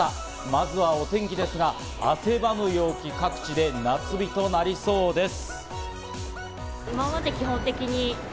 まずはお天気ですが汗ばむ陽気、各地で夏日となりそうです。